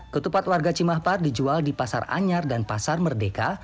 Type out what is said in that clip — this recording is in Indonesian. ketupat warga cimahpar dijual di pasar anyar dan pasar merdeka